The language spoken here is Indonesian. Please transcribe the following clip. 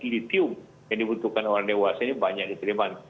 litium yang dibutuhkan orang dewasa ini banyak diterima